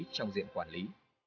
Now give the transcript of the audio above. trong diện quản lý